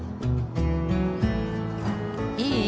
いい？